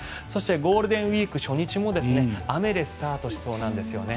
ゴールデンウィーク初日も雨でスタートしそうなんですよね。